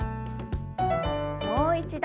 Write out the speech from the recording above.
もう一度。